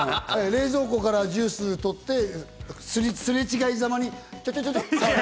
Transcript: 冷蔵庫からジュースを取って、すれ違いざまにちょちょちょっと。